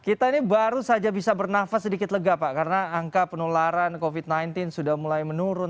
kita ini baru saja bisa bernafas sedikit lega pak karena angka penularan covid sembilan belas sudah mulai menurun